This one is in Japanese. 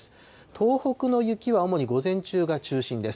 東北の雪は主に午前中が中心です。